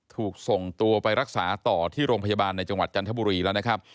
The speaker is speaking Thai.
ถูกส่งตัวไปรักษาต่อที่โรงพยาบาลในจังหวัดจันทบุรีแล้วนะครับ